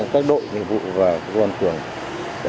các đội nhiệm vụ và các công an phường